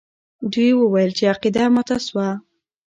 دوی وویل چې عقیده ماته سوه.